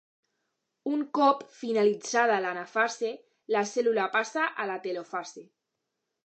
Un cop finalitzada l'anafase, la cèl·lula passa a la telofase.